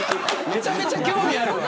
めちゃめちゃ興味あるわ。